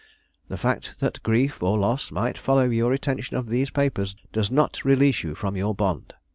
The fact that grief or loss might follow your retention of these papers does not release you from your bond.